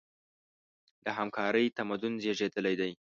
له همکارۍ تمدن زېږېدلی دی.